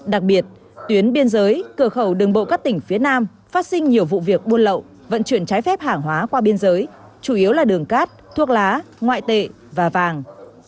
đặc biệt tuyến biên giới cửa khẩu đường bộ các tỉnh phía nam phát sinh nhiều vụ việc buôn lậu vận chuyển trái phép hàng hóa qua biên giới chủ yếu là đường cát thuốc lá ngoại tệ và vàng